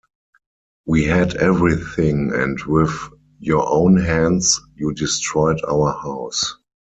We had everything and with your own hands, you destroyed our house.